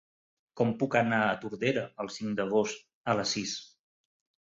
Com puc anar a Tordera el cinc d'agost a les sis?